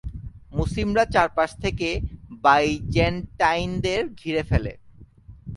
মুসলিমরা চারপাশ থেকে বাইজেন্টাইনদের ঘিরে ফেলে।